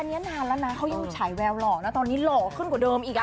นี่อันนี้นานละนะเขายุ่งชายเเววหล่อตอนนี้หล่อขึ้นกว่าเดิมอีก